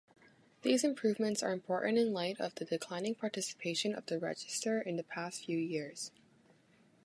These improvements are important in light of the declining participation in the Register in the past few years.